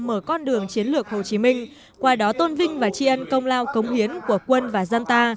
mở con đường chiến lược hồ chí minh qua đó tôn vinh và tri ân công lao công hiến của quân và dân ta